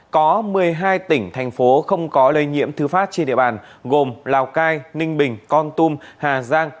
có một mươi hai tỉnh thành phố không có lây nhiễm thư phát trên địa bàn gồm lào cai ninh bình con tum hà giang